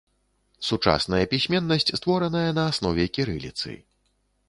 Сучасная пісьменнасць створаная на аснове кірыліцы.